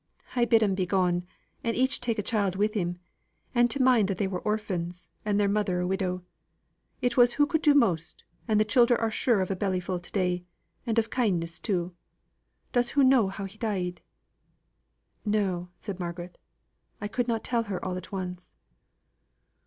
"I did 'em begone, and each take a child with 'em, and to mind that they were orphans, and their mother a widow. It was who could do most, and the childer are sure of a bellyful to day, and of kindness too. Does hoo know how he died?" "No," said Margaret; "I could not tell her all at once."